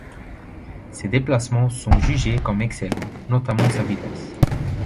Ses déplacements sont jugés comme excellents, notamment sa vitesse.